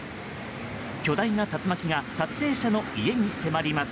巨大な竜巻が撮影者の家に迫ります。